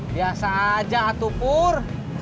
biasa aja atuh pur